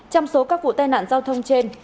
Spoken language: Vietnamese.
trong số các vụ tai nạn giao thông trên